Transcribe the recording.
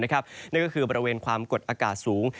นั่นก็คือบริเวณความกดอากาศสูง